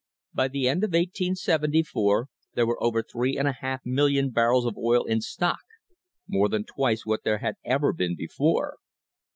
By the end of 1874 there were over three and a half million barrels of oil in stock, more than twice what there had ever been before.